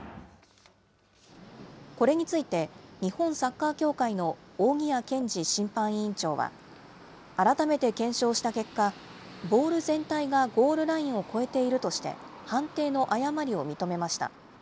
これについて、日本サッカー協会の扇谷健司審判委員長は、改めて検証した結果、ボール全体がゴールラインを越えているとして、判定の誤りを認めました。